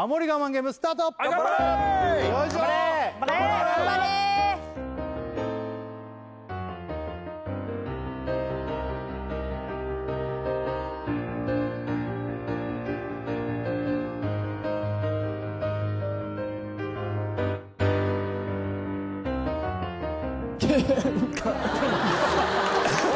ゲームスタート頑張れおい！